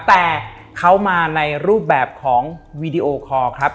แต่เขามาในรูปแบบของวีดีโอคอร์ครับ